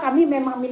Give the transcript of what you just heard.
kalau ada nanti